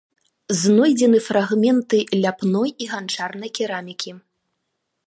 Знойдзены фрагменты ляпной і ганчарнай керамікі.